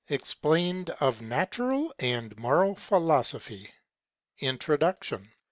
EXPLAINED OF NATURAL AND MORAL PHILOSOPHY. INTRODUCTION.